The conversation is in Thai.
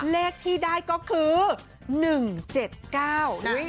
เลขที่ได้ก็คือ๑๗๙อุ้ยเรามองเป็น๒อ่ะ